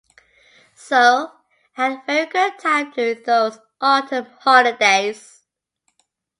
So I had a very good time during those autumn holidays.